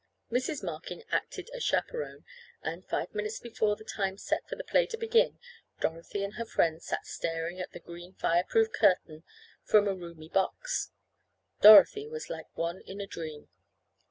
Mrs. Markin acted as chaperone and, five minutes before the time set for the play to begin Dorothy and her friends sat staring at the green fire proof curtain from a roomy box. Dorothy was like one in a dream.